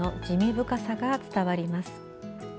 深さが伝わります。